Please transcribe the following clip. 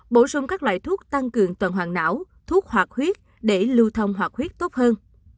bổ sung các loại thuốc tăng cường tuần hoàn não thuốc hoạt huyết để lưu thông hoạt huyết tốt hơn